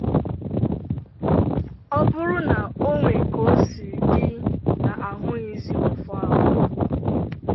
ọ bụrụ na o nwee ka o siri dị na a hụghịzị ọfọ ahụ